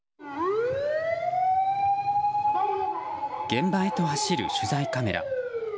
現場へと走る取材カメラ。